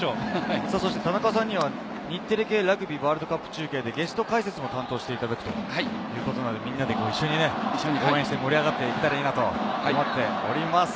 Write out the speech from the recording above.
田中さんには日テレ系のラグビー中継でゲスト解説もお願いするということでみんなで一緒に応援して盛り上がっていけたらいいなと思っています。